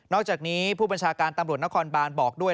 อกจากนี้ผู้บัญชาการตำรวจนครบานบอกด้วย